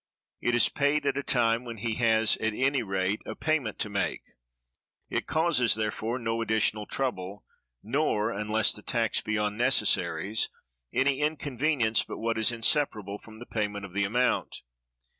It is paid at a time when he has at any rate a payment to make; it causes, therefore, no additional trouble, nor (unless the tax be on necessaries) any inconvenience but what is inseparable from the payment of the amount.